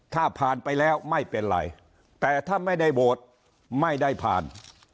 ถ้าผ่านไปแล้วไม่เป็นไรแต่ถ้าไม่ได้โหวตไม่ได้ผ่าน